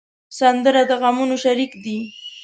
سندره د غمونو شریک دی